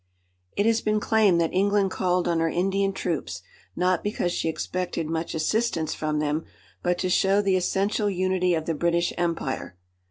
It has been claimed that England called on her Indian troops, not because she expected much assistance from them but to show the essential unity of the British Empire.